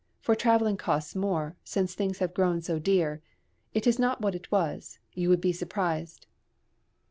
For travelling costs more, since things have grown so dear; it is not what it was you would be surprised.